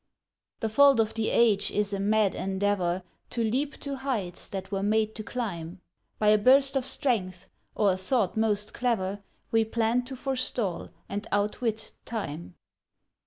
The fault of the age is a mad endeavor To leap to heights that were made to climb: By a burst of strength, of a thought most clever, We plan to forestall and outwit Time.